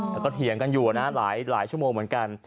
แล้วก็เถียงกันอยู่นะหลายชั่วโมงเหมือนกัน